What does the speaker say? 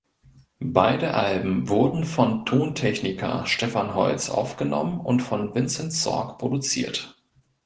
Beide Alben wurden von Tontechniker Stefan Holtz aufgenommen und von Vincent Sorg produziert.